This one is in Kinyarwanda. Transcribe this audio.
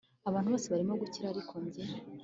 abantu bose barimo gukira ariko njye